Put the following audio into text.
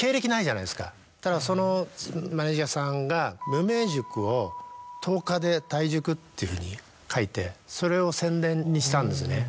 そしたらそのマネージャーさんが「無名塾を１０日で退塾」っていうふうに書いてそれを宣伝にしたんですね。